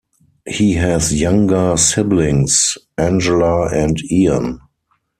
He has younger siblings Angela and Ian.